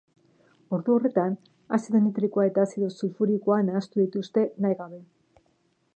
Ordu horretan azido nitrikoa eta azido sulfurikoa nahastu dituzte, nahi gabe.